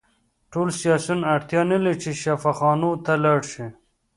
ټول سیاسیون اړتیا نلري چې شفاخانو ته لاړ شي